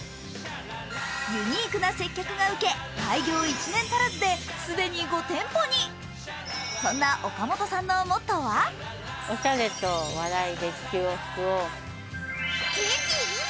ユニークな接客が受け開業１年足らずで既に５店舗に、そんな岡本さんのモットーは？